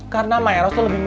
karena mairos itu lebih milih